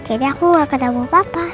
jadi aku tidak ketemu papa